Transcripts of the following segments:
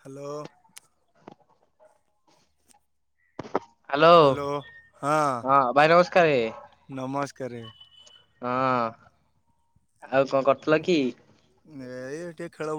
Hello. Hello ହଁ ଭାଇ ନମସ୍ ନମସ୍କାରେ। ହଁ ଆଉ କଣ କରୁଥିଲ କି? ଏଇ ଟିକେ ଖେଳ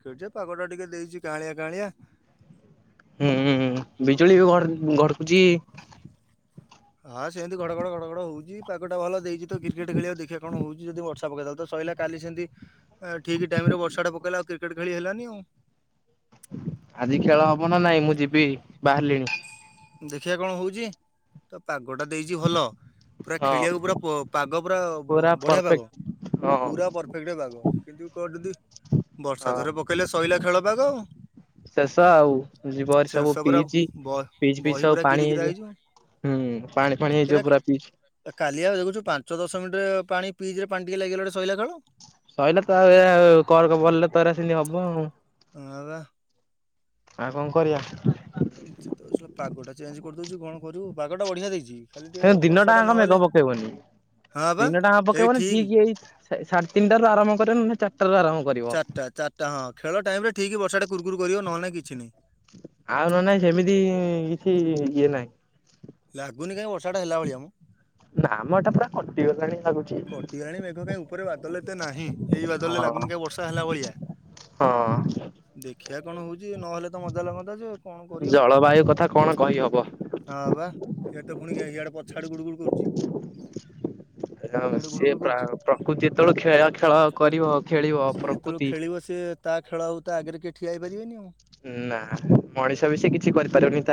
ଏଜେ ପାଗଟା ଟିକେ ଦେଇଚି କାଅଁଳିଆ କାଅଁଳିଆ। ହୁଁ ବିଜୁଳି ବି ଘଡ ଘଡକୁଚି। ହଁ ସେନ୍ତି ଘଡଘଡ ଘଡଘଡ ହଉଛି ପାଗଟା ଭଲ ଦେଇଛି ତ କ୍ରିକେଟ ଖେଳିବାକୁ ଦେଖିବା କଣ ହଉଛି ଯଦି ବର୍ଷା ପକେଇଦେଲା ତ ସ ପକେଇଲା କାଲି ସେମିତି ଆ ଠିକ ଟାଇମରେ ବର୍ଷାଟା ପକେଇଲା ଆଉ କ୍ରିକେଟ ଖେଳି ହେଲାନି ଆଉ। ଆଜି ଖେଳ ହବ ନା ନାଇଁ ମୁଁ ଯିବି, ବାହାରିଲିଣି। ଦେଖିବା କଣ ହଉଛି ତ ପାଗଟା ଦେଇଛି ଭଲ ପୁରା ହଁ ଖେଳିଆକୁ ପୁରା ପ ପାଗ ପୁରା ବ ବଢିଆ ପାଗ। ହଁ ପୁରା ପରଫେକ୍ଟ ପାଗ କିନ୍ତୁ କୋଉଠି ଯଦି ବର୍ଷା ହଁ। ଥରେ ପକେଇଲେ ସଇଲା ଖେଳ ପାାଗ ଆଉ। ଶେଷ ଆଉ ଯିବ ହେରି ସେ ସବୁ ସବୁରା ପିଚି ବ ପିଚ୍ ଫିଚ୍ ବହି ସବୁ ପୁରା କିରି ପାଣି କିରା ହେଇଯିବ। ହୁଁ ପାଣି ଫାଣି ହେଇଯିବ ପୁରା ପିଚ୍। ଯୋଉ ପାଞ୍ଚ ଦଶ ମିନିଟରେ ପାଣି ପିଚ୍ ରେ ପାଣି ଟିକେ ଲାଗିଗଲେ ସଇଲା ତ ଆଉ [unintelligible] କରକ ବଲରେ ତ ଏରା ସେମତି ହବ ଆଉ। ହଁ ବା। ଆଉ କଣ କରିବା? ଏମତି ତ ଶଳା ପାଗଟା ଚେଞ୍ଜ କରିଦଉଛି କଣ କରିବୁ ପାଗଟା ବଢିଆ ଦେଇଛି। ଖାଲି ଟିକେ [unintelligible] ବର୍ଷାଟା ଦିନଟାଙ୍କ ନହେଲେ ମେଘ ପକେଇବନି। ହଁ ବା ଦିନଟାଙ୍କ ପକେଇବନି ଠିକ୍ ଏଇ ସା ସାଢେ ତିନିଟାରୁ ଆରମ୍ଭ କରିବ ନ ହେନେ ଚାର ଚାରିଟା ଚାରଟା ହଁ ଖେଳ ଟାଇମରେ ଠିକ୍ ବର୍ଷା ଟା କୁରକୁୁର କରିବ ନହେନେ କିଛି ନାଇଁ। ଆଉ ନ ହେନେ ନାହିଁ ସେମିତି କିଛି ଇଏ ନାହିଁ। ଲାଗୁନି କାହିଁ ବର୍ଷା ଟା ହେଲା ଭଳିଆମ। ନାମ ଏଟା ପୁରା କଟିଗଲାଣି। ଲାଗୁଛି। କଟିଗଲାଣି ମେଘ କାଇଁ ଉପରେ ବାଦଲ ଏତେ ନାହିଁ, ସେଇ ବାଦଲରେ ଲାଗୁନି କାଇଁ ବର୍ଷା ହେଲା ଭଳିଆ। ହଁ। ଦେଖିଆ କଣ ହଉଚି ନହେଲେ ତ ମଜା ଲାଗନ୍ତା ଯେ କଣ କରିବୁ ଜଳବାୟୁ କଥା କଣ କହିହବ? ଇଆଡ଼େ ତ ପୁଣି ଇଆଡେ ପଛ ଆଡେ ଗୁଡୁ ଗୁଡ କରୁଚି। ସେ ହଁ, ପ୍ରା ପ୍ରକୃତି ଯେତେବେଳେ ଖେଳ ଖେଳ କରିବ ଖେଳିବ ସିଏ ଯେତେବେଳେ ପ୍ରକୃତି ଖେଳିବ ସିଏ ତା ଖେଳ ଆଉ ତା ଆଗରେ କିଏ ଠିଆ ହେଇପାରିବେନି ଆଉ। ନା ମଣିଷ ବି ସେ କିଛି କରିପାରୁନି।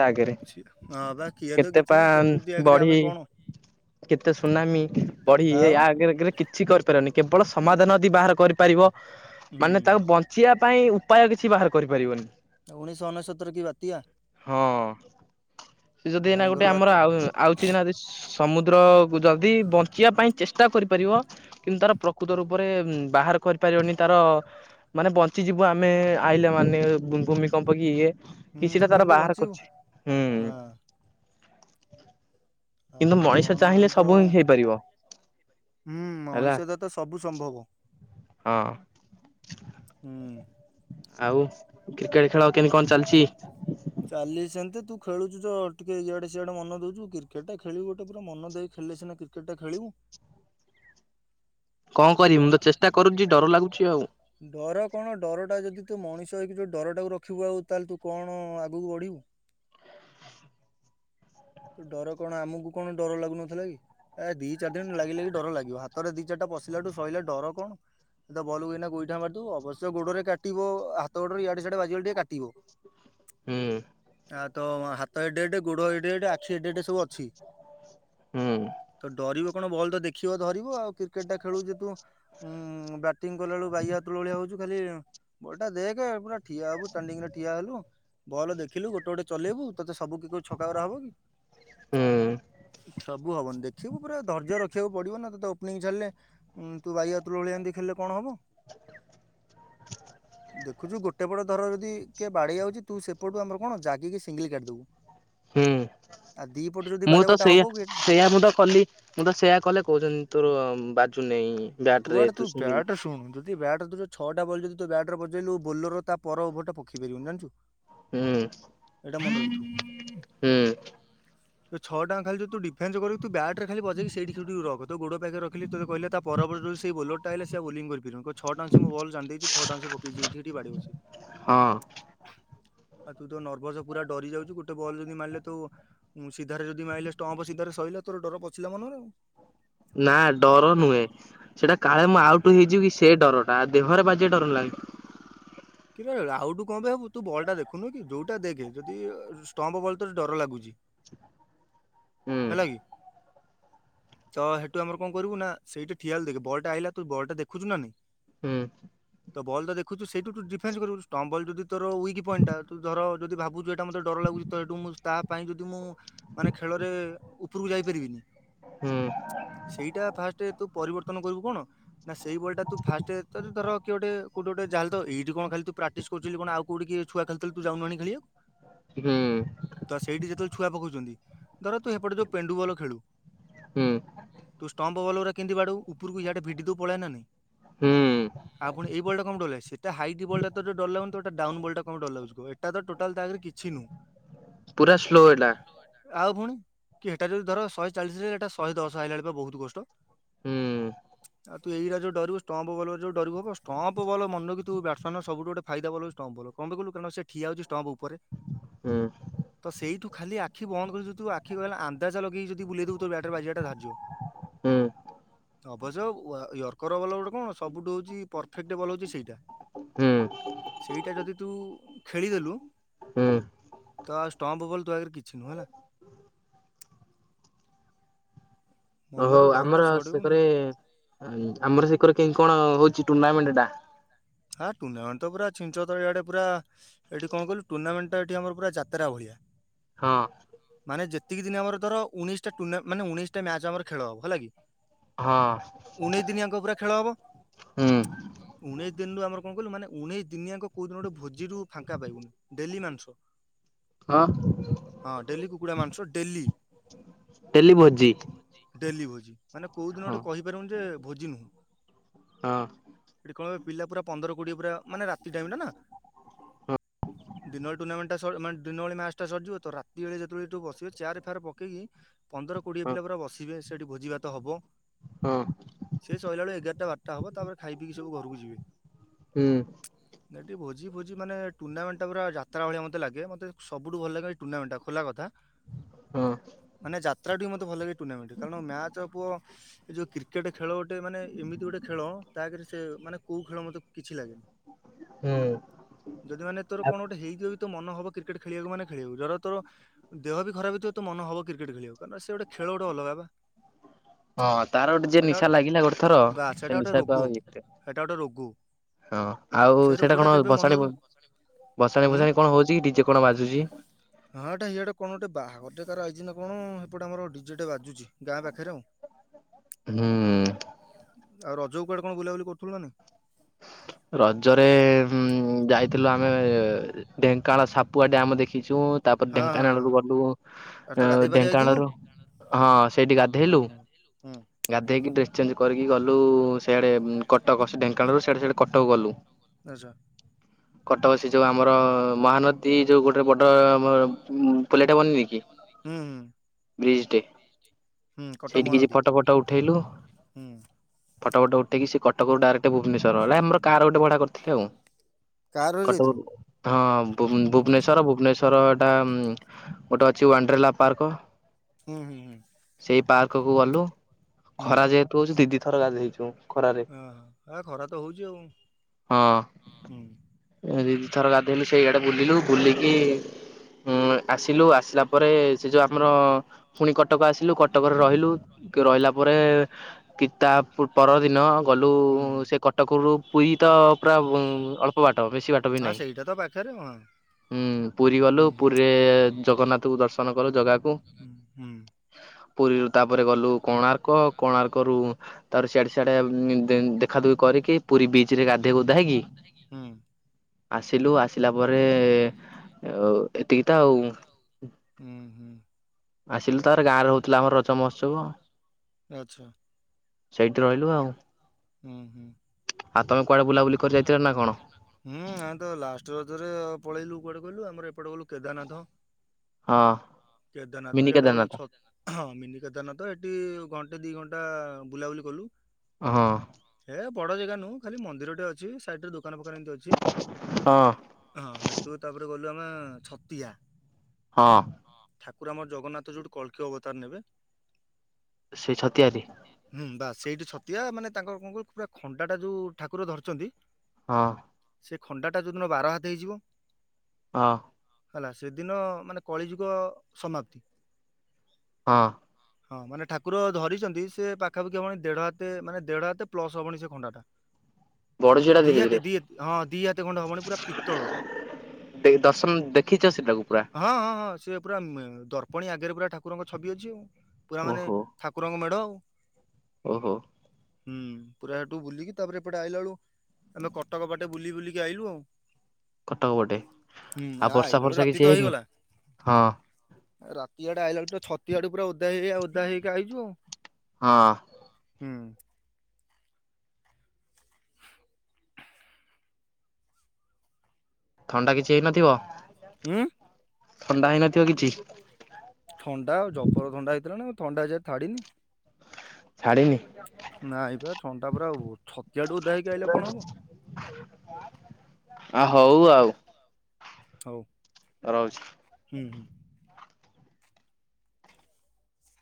ଛି ହଁବା କିଏ ତ ପା କିଛି ନାହିଁ, ପ୍ରକୃତି ଆଗରେ ବଢି ଆମେ କଣ? କେତେ ସୁନାମୀ ବଢି ଇଏ ଆଉ ୟାଗ ଆଗରେ କିଛି କରିପାରିବନି, କେବଳ ଉ ସମାଧାନ ଯଦି ବାହାର କରି ପାରିବ, ହୁଁ ମାନେ ତାକୁ ବଞ୍ଚିବା ପାଇଁ ଉପାୟ କିଛି ବାହାର କରିପାରିବନି। ଉଣେଇଶହ ଅନେଶତରେ କି ବାତ୍ୟା? ହଁ। ସେ ଯଦି ଏଇନା ଭୟଙ୍କର ଗୋଟେ ଆମର ବାତ୍ୟା ଆ ଆଉଛିକିନା ସମୁ ଦ୍ର ଯଦି ବଞ୍ଚିବା ପାଇଁ ଚେଷ୍ଟା କରିପାରିବ, କିନ୍ତୁ ତାର ପ୍ରକୃତ ରୂପରେ ବାହାର କରିପା ରିବନି ତାର, ମାନେ ବଞ୍ଚିଯିବୁ ଆମେ ଆଇଲେ ମାନେ ଭୂମିକମ୍ପ କି ଇଏ ହୁଁ କିଛିଟା ତାର କେମିତି ବାହାର ବଞ୍ଚିବୁ କରୁଚି ହଁ ହୁଁ। କିନ୍ତୁ ଆଉ ମଣିଷ କଣ ଚାହିଁଲେ ଏମିତି ସବୁ ଆଉ ହିଁ ହେଇପାରିବ। ହୁଁ ହେଲା ମଣିଷ ତ ତ ସବୁ ସମ୍ଭବ। ହଁ ହୁଁ। ଆଉ କ୍ରିକେଟ ଖେଳ କେମିତି କଣ ଚାଲିଚି? ଚାଲିଚି ସେମିତି ତୁ ଖେଲୁଚୁ ଟିକେ ଇଆଡେ ସିଆଡେ ମନ ଦଉଛୁ କ୍ରିକେଟ ଟା ଖେଳିବୁ ଗୋଟେ ପୁରା ମନ ଦେଇ ଖେଳୁ ଥିଲେ ସିନା କ୍ରିକେଟ ଖେଳିବୁ। [unintelligible] କଣ କରିବି ଆ ମୁଁ ତ ଚେଷ୍ଟା କରୁଛି ଡର ଲାଗୁଛି ଆଉ ଡର କଣ ଡର ଟା ଯଦି ତୁ ମଣିଷ ହେଇକି ଯୋଉ ଡରଟାକୁ ରଖିବୁ ଆଉ ତାହେଲେ ତୁ କଣ ଆଗକୁ ବଢିବୁ। ତ ଡର କଣ ଆମକୁ କଣ ଡର ଲାଗୁନଥିଲା କି। ଏ ଦି ଚାରି ଦିନ ଲାଗି ଲାଗି ଡର ଲାଗିବ ହାତରେ ଦି ଚାରିଟା ପଶିଲାଠୁ ସରିଲା। ଡର କଣ? ତ ବଲ୍କକୁଏଇ ଆଇନା ଗୋଇଠା ମାରୁିବୁ ଅବଶ୍ୟ ଗୋଡରେ କାତିବ ହାତ ଗୋଡ ଇଡେ ସିଆଡ ବାକିଗଲେ ଟିକେ କାଟିବ। ହୁଁ। ଆ ତ ହାତ ଏଡେ ଏଡେ ଗୋଡ ଏଡେ ଆଖି ଏଡେ ଏଡେ ସବୁ ଅଛି। ହୁଁ ତ ଡରିିବ। କଣ ବଲ ତ ଦେଖିବ ଧରିବ ଆଉ କ୍ରିକେଟ୍ ଟା ଖେଳୁ ଯେତୁ ଉ ବ୍ୟାଟିଂ କଲା ବଳୁ ବାଇଆ ବାତୁଳିଆ ଭଳି ହଉଚୁ। ଖାଲି ବଲଟା ଦେଖେ ପୁରା ଠିଆ ହବୁ ଷ୍ଟଣ୍ଡିଙ୍ଗ ରେ ଠିଆ ହେଲୁ ବଲ ଦେଖିଲୁ ଗୋଟେ ଗୋଟେ ଚଲେଇବୁ ତତେ ସବୁ କି ଛକ ରକା ହବ କି? ହୁଁ। ସବୁ ହବନି ଦେଖିବୁୁ ପୁରା ଧର୍ଯ୍ୟ ରିବାକୁ ପଡିବ ନା ତତେ ଓପନିଂ ଛଡିଲେ ତୁ ବାଇ ଅତୁ ଭଳିଆ ଏମତି ଖେଳିଲେ କଣ ହବ। [unintelligible] ଦେଖୁଛୁ, ଗୋଟେ ପଟ ଧର ଯଦି କିଏ ବାଡିଆ ଆଉଛି। ତୁ ସେପଟୁ ଆମର କଣ ଜାଗିକି ସିଙ୍ଗିଲ କାଟିଦବୁ। ହୁଁ। ଆଗ୍ ମୁଁ ତ ସେଇଆ, ସେଇଆ ମୁଁ ତ କଲି। ମୁଁ ତ ସେଇଆ କଲେ କହୁଛନ୍ତି ତୋର ବା କୁଆଡେ ତୁ ବ୍ୟାଟ ଶୁଣୁ, ଯଦି ବ୍ୟାଟ ତୁ ଛଅଟା ବଲ ଯଦି ତୁ ବ୍ୟାଟ୍ ରେ ବଜେଇଲୁ, ବୋଲର ତା ପର ଓଭରଟା ପକେଇ ପାରିବନି ଜାଣିଚୁ। ହୁଁ ହୁଁ। ଯୋ ଛଅ ଟାଙ୍କ ଖାଲି ତୁ ଯଦି ଡିଫେନ୍ସ କରିବୁ ତୁ ଵ୍ୟାଟରେ ଖାଲି ବଜେଇକି ସେଇଠି ସେଇଠି ରଖ ତୋ ଗୋଡ ପାଖରେ ରଖିଲେ ତୋତେ କହି ତା ପର ବଲରେ ସେଇ ବୋଲରଟା ଆଇଲେ ସିଏ ଆଉ ବୋଲିଂ କରିପାରିବନି କହିବ ଛଅଟାଙ୍କ ସିଏ ମୋ ବଲ୍ ଜାଣି ଦେଇଛି ଛଅଟାଙ୍କ ସିଏ ପକେଇଛି ଏଇଠି ଏଠି ବାଡେଇବ ସିଏ। ହଁ ଆଉ ତୁ ତ ନର୍ଭସ ପୁରା ଡରି ଯାଉଛୁ। ଗୋଟେ ବଲ ଯଦି ମାରିଲେ ତୁ ସିଧାରେ, ଯଦି ମାଇଲେ ଷ୍ଟମ୍ପ ସିଧାରେ ସଇ ଲା ତୋର ଡର ପଶିଲା ମନରେ ଆଉ। ନା ଡର ନୁହେଁ ସେଇଟା କାଳେ ମୁଁ ଆଉଟୁ ହେଇଯିବ କି? ସେ ଡରଟା ଦେହରେ ବାଜିବା ଡର ନାହିଁ। କିରେ ଆଉଠୁ କଣ ପାଇଁ ହବୁ ତୁ ବଲଟା ଦେଖୁନୁ କି? ଯୋଉଟା ଦେଖେ, ଯଦି ଷ୍ଟମ୍ ବଲ ତୋତେ ଡର ଲାଗୁଛି ହୁଁ ହେଲାକି। ତ ହେଠୁ ଆମର କଣ କରିବୁ ନା ସେଇଠି ଠିଆ ହେଲେ ଦେଖେ ବଲଟା ଆଇଲା ତୁ ବଲଟା ଦେଖୁଛୁ ନା ନାଇଁ? ହୁଁ। ତ ବଲ ତ ଦେଖୁଚୁ ସେଇଠୁ ଯି ଡିଫେନ୍ସ କରିବୁ। ଷ୍ଟମ୍ବ ବଲ ଯଦି ତୋର ୱିକ୍ ପଏଣ୍ଟ ଟା, ତୁ ଧର ଯଦି ଭାବୁଛୁ ଏଟା ମୋତେ ଡର ଲାଗୁଛି, ତ ହେଠୁଁ ମୁଁ ତା ପାଇଁ ଯଦି ମୁଁ ମାନେ, ଖେଳରେ ଉପରୁକୁ ଯାଇପାରିବିନି? ହୁଁ ସେଇଟା ଫାଷ୍ଟ ତୁ ପରିବର୍ ର୍ତ୍ତନ କରିବୁ କଣ, ନା ସେଇ ବଲ୍ ଟା ତୁ ଫାଷ୍ଟ ତୋତେ ଧର, କିଏ ଗୋଟେ କୋଉଠୁ ଗୋଟେ ଯାହା ହେଲେ ତ ଏଇଠି କଣ ଖାଲି ତୁ ପ୍ରାକ୍ଟିସ କରୁଚୁ ବୋଲି କଣ ଆଉ କୋଉଠି କିଏ ଛୁଆ ଖେଳୁଥିଲ, ତୁ ଯାଉନୁ ଆଣି ଖେଳିବାକୁ। ହୁଁ ତ ସେଇଠି ଯେତେବେଳେ ଛୁଆ ପକଉଛନ୍ତି, ଧର ତୁ ହେପଟେ ଯୋଉ ପେଣ୍ଡୁ ବଲ ଖେଳୁ ହୁଁ ତୁ ଷ୍ଟମ୍ପ ବଲ୍ ଗୋରା କେମିତି ବାଡାଉ, ଉପରକୁ ଇଆଡେ ଭିଡି ଦଉ ପଳାଏ ନା ନାଇଁ। ହୁଁ ଆ ପୁଣି ଏଇ ବଲଟା କଣ ଡବଲ୍ ସେଟା ହାଇ [unintelligible] ତତେ ଡର ଲାଗୁନି, ତତେ ଡାଉନ ବଲ ଟା କଣ ପାଇଁ ଡର ଲାଗୁଛି କହ ଏଟା ତ ଟୋଟାଲ ତା ଆଗେରେ କିଛି ନୁହଁ। ପୁରା ଶ୍ଲୋ ଏଇଟା। ଆଉ ପୁଣି କି ହେଟା ଯଦି ଧର ଶଏ ଚାଳିଶ, ହେଇଟା ଶଏ ଦଶ ଆଇଲା ବେଳକୁ ପା ବହୁତ କଷ୍ଟ। ହୁଁ। ଆଉ ତୁ ଏଇରା ଯୋଉଁ ଡରିବୁ। ଷ୍ଟମ୍ପ ବଲ ଯୋଉଁ ଡରିବୁ ହବ। ଷ୍ଟମ୍ପ ଭଲ ମନେ ରଖିଥିବୁ ବ୍ୟାଟ୍ ସବୁ ଗୋଟେ ଫାଇଦା ବଲ ହେଉଚି ଷ୍ଟାମ୍ପ ବଲ। କଣ ପାଇଁ କହିଲୁ କାହିଁକି ସେ ଠିଆ ହଉଛି ଷ୍ଟପ ଉ ଉପରେ ହୁଁ ତ ସେଇଠୁ ଖାଲି ଆଖି ବନ୍ଦ କରିଦଉଥିବୁ। ଆଖ କହିଲା ଆନ୍ଦାଜ୍ ଲଗେଇ କି ଯଦି ବୁଲେଇଦବୁ ତୋ ବ୍ୟାଟରେ ବାଜିବାଟା ଧାର୍ଯ୍ୟ। ହୁଁ ଅବଶ୍ୟ ୟର୍କର ବଲ ଗୋଟେ କଣ ସବୁଠୁ ହଉଛି ପରଫେକ୍ଟ ବଲ ହଉଛି ସେଇଟା। ହୁଁ ସେଇଟା ଯଦି ତୁ ଖେଳିଦେଲୁ ହୁଁ। ଷ୍ଟାମ୍ପ ବଲ ତୁ ଆଗରେ କିଛି ନୁହଁ ହେଲା। ଓ ହଉଁ ମନରୁ ଡରଟା ଆମର ଛଡେଇବୁନୁ। ସେକରେ ଆମର ସେକରେ କେମିତି କଣ ହଉଛି ଟୁର୍ଣ୍ଣାମେଣ୍ଟ ଟା? ହଁ ଟୁର୍ଣ୍ଣାମେଣ୍ଟ ତ ପୁରା ଛିନ ଛତର। ଏଆଡ ପୁରା ଏଠି କଣ କହିଲୁ ଟୁର୍ଣ୍ଣାମେଣ୍ଟ ପୁରା ଏଠି ଆମର ପୁରା ଯାତ୍ରା ଭଳିଆ। ହଁ। ଏତିକି ଦିନ ଆମର ଉଣେଇଶଟା ଟୁଣ୍ଣା ମାନେ ଉଣେଇଶଟା ମ୍ୟାଚ ଆମର ଖେଳ ହବ ହେଲା କି। ହଁ ଉଣେଇଶ ଦିନିଆଙ୍କ ପୁରା ଖେଳ ହବ। ହୁଁ ଉଣେଇ ଦିନୁ ଆମର କଣ କହିଲୁ, ମାନେ ଉଣେଇଶ ଦିନିଆଙ୍କ କୋଉଁ ଦିନ ଗୋଟେ ଭୋଜିରୁ ଫାଙ୍କା ପାଇବୁନି। ଡେଲି ମାଂସ। ହଁ, ହଁ ଡେଲି କୁକୁଡ଼ା ମାଂସ ଡେଲି। ଡେଲି ଭୋଜି। ଡେଲି ଭୋଜି। ମାନେ କୋଉଁ ଦିନ ହଁ ଗୋଟେ କହିପାରିବୁନି ଯେ ଭୋଜି ନୁହଁ। ହଁ। କଣ ପିଲା ପୁରା ପନ୍ଦର କୋଡିଏ ପୁରା ମାନେ ରାତି ଟାଇମ ଟାନା, ଦିନରେ ଟୁର୍ଣ୍ଣାମେଣ୍ଟ [unintelligible] ଦିନବେଳେ ମ୍ଯାଚ ସରିଯିବ ତ ରାତି ବେଳେ ଯେତେବେଳୁ ବସିବେ ଚେୟାର ଫେୟାର ପକେଇକି ପନ୍ଦର କୋଡ଼ିଏ ହଁ ପିଲା ପୁରା ବସିବେ ସେଠି ଭୋଜି ଭାତ ହବ। ହଁ ସେ ସଇଲା ବଳୁ ଏଗାରଟା ବାରଟା ହବ। ତାପରେ ଖାଇ ପିଇକି ସବୁ ଘରକୁ ଯିବେ। ହୁଁ। ଏଇଠି ଭୋଜି ଫୋଜି ମାନେ ଟୁର୍ଣ୍ଣାମେଣ୍ଟ ପୁରା ଯାତ୍ରା ଭାଲିଆ ମତେ ଲାଗେ। ମତେ ସବୁଠୁ ଭଲ ଲାଗେ ଏଇ ଟୁର୍ଣ୍ଣାମେଣ୍ଟ ଟା ଖୋଲା କଥା। ହଁ। [unintelligible] ମତେ ଭଲ ଲାଗେ ଟୁର୍ଣ୍ଣାମେଣ୍ଟ କାରଣ ମ୍ୟାଚ୍ ପ ଏ ଯେଉଁ କ୍ରିକେଟ ଖେଳ ଗୋଟେ ମାନେ ଏମିତି ଗୋଟେ ଖେଳ ତା ଆଗରେ ସେ ମାନେ କଉଁ ଖେଳ ମୋତେ କିଛି ଲାଗେନି। ହୁଁ। ଯଦି ମାନେ ତୋର କଣ ଗୋଟେ ହେଇଥିବ ବି ତୋ ମନ ହବ କ୍ରିକେଟ ଖେଳିବାକୁ ମାନେ ଖେଳିବୁ ଧର ତୋ ଦେହ ବି ଖରାପ ହେଇଥିବ ତୋ ମନ ହବ କ୍ରିକେଟ୍ ଖେଳିବାକୁ। ତାପରେ ସେ ଗୋଟେ ଖେଳ ଗୋଟେ ଅଲଗା ବା। ହଁ ତାର ଗୋଟେ ଯିଏ ସେଟା ନିଶା ଲାଗିଲା ଗୋଟେ ଥର ସେ ନିଶା କୁ ଆଉ ଇଏ କରିହ ସେଇଟା ଗୋଟେ ରୋଗ। ହଁ ଆଉ ସେ ସେଇଟା ରୋଗଟା କଣ କେବେ ଭସାଣି ମନରୁ ଭସାଣି ହୁଁ ଫସାଣି କଣ ହଉଛି କି ଡିଜେ କଣ ବାଜୁଛି? ହଁ ଏଟା ହିଆଡ଼େ କଣ ଗୋଟେ ବାହାଘରଟେ କାହାର ଆଇଚି ନା କଣ ହେପଟେ ତାଙ୍କର ଡିଜେ ଟେ ବାଜୁଛି। ଗାଁ ପାଖରେ ଆଉ। ହୁଁ। ଆଉ ରଜ କୁ କୁଆଡ଼େ କଣ ବୁଲାବୁଲି କରୁଥିଲୁ ନା ନାହିଁ? ରଜରେ-ଏ ଉମ୍ ଯାଇଥିଲୁ ଆମେ ଢେଙ୍କାନାଳ ସାପୁଆ ଡ୍ୟାମ ଦେଖିଚୁ। ତାପରେ ହଁ ହଁ ଢେଙ୍କାନାଳରୁ ହଁ ଗଲୁ ଉମ୍ ଆରେ ତ ଗାଧେଇ ପାଧେଇ ଆଇଥିବୁ ଢେଙ୍କାନାଳରୁ ହଁ ସେଇଠି ଗାଧେଇଲୁ, ଓହୋ ହୁଁ ଗାଧେଇକି ଡ୍ରେସ ସେମିତି କରିକି ଗଲୁ-ଉ ସେଆଡେ ଉମ୍ କଟକ ଢେଙ୍କାନଳରୁ ସିଆଡ଼େ ସିଆଡ଼େ କଟକ ଗଲୁ। ଆଛା। କଟକ ସେ ଯୋଉଁ ଆମର ମହାନଦୀ ଯୋଉଁ ଗୋଟେ ମ ବଡ଼ ପୋଲଟେ ବନିନି କି ହୁଁ ହୁଁ। ବ୍ରିଜ୍ ଟେ ହୁଁ କଟକ ସେଇଠି କିଛି ମହାନଦୀ ଫଟ ଫଟ ଉଠେଇଲୁ। ହୁଁ ଫଟ ଫଟ ଉଠେଇକି ସେ କଟକରୁ ଡାଇରେକ୍ଟ ଭୁ ରଲେ ଆମର କାର ଗୋଟେ ବଢା କରିଥିଲୁ ଆଉ। କାରରେ କଟକ ଯାଇଥିଲୁ ଠୁ ହଁ ଆଚ୍ଛା ଭୁବନେଶ୍ଵର ଭୁବନେଶ୍ଵର ଟା ଉମ୍ ଗୋଟେ ଅଛି ୱାଣ୍ଡ୍ରେଲା ପାର୍କ। ହୁଁ ହୁଁ ହୁଁ। ଏଇ ପାର୍କ କୁ ଗଲୁ, ହୁଁ ଖରା ଯେହେତୁ ହୋଉଛି ଦି ଦି ଥର ଗାଧେଇଛୁ। ଖରାରେ ଆ ହା ଖରା ତ ହଉଛି ଆଉ। ହଁ। ହଁ। ଦି ଦି ଥର ଗାଧେଇଲୁ ସେଇଆଡ଼େ ବୁଲିଲୁ ବୁଲିକି ଉମ୍ ଆସିଲୁ ଆସିଲା ପରେ ସେ ଯୋଉ ଆମର ପୁଣି କଟକ ଆସିଲୁ କଟକରେ ରହିଲୁ କେ ରହିଲା ପରେ କି ତା ପରଦିନ ଗଲୁ ସେ କ ପୁରୁ ପୁରୀ ତ ପୁରା ଅଳ୍ପ ବା ଟ ବେଶୀ ବାଟ ବି ହଁ ନାହିଁ। ସେଇଟା ତ ପାଖରେ ହଁ ହୁଁ ପୁରୀ ଗଲୁ ହୁଁ। ପୁରୀରେ ଜଗନ୍ନାଥକୁ ଦର୍ଶନ କଲୁ ଜାଗାକୁ ହୁଁ ହୁଁ। ପୁରୀରୁ ତାପରେ ଗଲୁ କୋଣାର୍କ କୋଣାର୍କରୁ ତାର ସିଆଡେ ସିଆଡେ ଦେ-ଦେଖା ଦୁଖି କରିକି ପୁରୀ ବି ଚିରେ ଗାଧେଇ ଗୁଧା କି ହୁଁ ଆସିଲୁ ଆସିଲା ପରେ ଏ ଅ ଏତିକି ତ ଆଉ। ହୁଁ ହୁଁ। ଆସିଲୁ ତାପରେ ଗାଁ ରେ ହୋଉଥିଲା ଆମର ରଜ ମହୋତ୍ସବ। ଆଚ୍ଛା। ସେଇଠି ରହିଲୁ ଆଉ। ହୁଁ। ହୁଁ ଆଉ ତମେ କୁଆଡେ ବୁଲାବୁଲି କରି ଯାଇଥିଲ ନା କଣ? ହୁଁ ଆମେ ତ ଲାଷ୍ଟ ରଜରେ ପଳେଇଲୁ କୁଆଡେ କହିଲୁ ଆମର ଏପଟେ ଗଲୁ କେଦରନାଥ- ହଁ। କେଦାରନାଥରୁ ମିନି ଇଆଡେ ଗଲୁ କେଦାରନାଥ ଛ ହଁ ମିନି କେଦାରନାଥ ଏଠି ଘଣ୍ଟେ ଦି ଘନ୍ ଣ୍ଟା ବୁଲାବୁଲି କଲୁ। ହଁ। ଏ ବଡ ଜାଗା ନୁହଁ ଖାଲି ମନ୍ଦିରଟେ ଅଛି ସାଇଟରେ ଦୋ କାନ ଫୋକାନ ଏମତି ଅଛି ହଁ ହଁ ହେଠୁ ତାପରେ ଗଲୁ ଆମେ ଛତିଆ। ହଁ। ଠାକୁର ଆମର ଜଗନ୍ନାଥ ଯୋଉଠି କଳ୍କୀ ଅବତାର ନେବେ। ସେ ଛତିଆରି। ହୁଁ ବା ସେଇଠୁ ଛତିଆ ମାନେ ତାଙ୍କର କଣ କହିଲ ପୁରା ଖଣ୍ଡା ଟା ଯୋଉ ଠାକୁର ଧରିଛନ୍ତି। ହଁ। ସେ ଖଣ୍ଡା ଟା ଯୋଉଦିନ ବାରହାତ ହେଇଯିବ। ହଁ। ହେଲା ସେଦିନ ମାନେ କଳିଯୁଗ ସମାପ୍ତି। ହଁ। ହଁ ମାନେ ଠାକୁର ଧରିଛନ୍ତି ସେ ପାଖାପାଖି ହବଣି ଦେଢ ହାତ ମାନେ ଦେଢ ହାତ ପ୍ଲସ ହବଣି ସେ ଖଣ୍ଡା ଟା। ବଡ ଝିଅଟା ଧୀରେ ଧୀରେ ଦିହାତେ ଦି ହଁ ଦିହାତେ ଖଣ୍ଡେ ହବଣି ପୁରା ପିତ୍ତଳର। ଦେକ୍ ଦର୍ଶନ ଦେଖିଛ ସେଟାକୁ ପୁରା? ହଁ ହଁ ହଁ ସେ ପୁରା ମେ ଦର୍ପଣୀ ଆଗରେ ପୁରା ଠାକୁରଙ୍କ ଛବି ଅଛି ଆଉ ପୁରା ମାନେ ଠାକୁରଙ୍କ ମେଢ ଆଉ। ଓ ହୋ। ହୁଁ ପୁରା ହେଠୁ ବୁଲିକି ତାପରେ ଏପଟେ ଆଇଲା ବେଳୁ ଆମେ କଟକ ବାଟେ ବୁଲି ବୁଲିକି ଆଇଲୁ ଆଉ। କଟକ ପଟେ ହୁଁ ଆଉ ଆ ବର୍ଷା ଆଇଲା ବେଳେ ଫର୍ଷା କିଛି ରାତି ତ ହେଇନି ହେଇଗଲା। ହଁ ରାତି ଆଡେ ଆଇଲା ବେଳୁ ତ ଛତିଆଠୁ ପୁରା ଓଦା ହେଇ ହେଇ ଓଦା ହେଇ ହେଇ କା ଆଇଛୁ ଆଉ। ହଁ। ହୁଁ। ଥଣ୍ଡା କିଛି ହେଇନଥିବ ଉଁ ଥଣ୍ଡା ହେଇନଥିବ କିଛି? ଥଣ୍ଡା ଆଉ ଜବର ଥଣ୍ଡା ହେଇଥିଲା ନା ଥଣ୍ଡା ଏଯାଏଁ ଥାଡିିନି। ଛାଡିିନି ନାଇଁ ପା ଛଣ୍ଡା ପୁରା ଛ ଜିୟାଡୁ ଓଦା ହେଇକି ଆଇଲେ କଣ ହେବ? ଆ ହଉ ଆଉ। ହଉ। ରହୁଛି। ହୁଁ ହୁଁ।